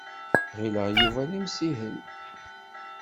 Ɣileɣ Yuba d imsihel.